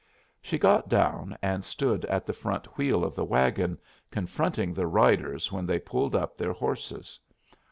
She got down and stood at the front wheel of the wagon, confronting the riders when they pulled up their horses.